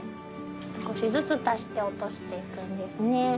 少しずつ足して落として行くんですね。